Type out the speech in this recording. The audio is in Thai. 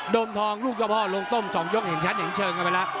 มทองลูกเจ้าพ่อลงต้ม๒ยกเห็นชัดเห็นเชิงกันไปแล้ว